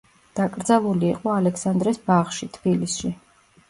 დაკრძალული იყო ალექსანდრეს ბაღში, თბილისში.